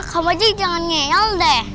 kamu aja jangan ngeyel deh